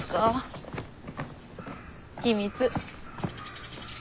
秘密。